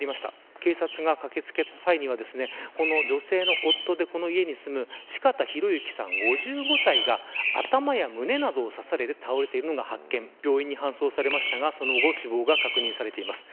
警察が駆け付けた際には女性の夫でこの家に住む四方洋行さん５５歳が頭や胸などを刺されて倒れているのが発見されて病院に搬送されましたが死亡が確認されています。